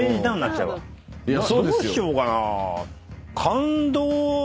どうしようかな？